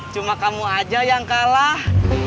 cuma kamu aja yang kalah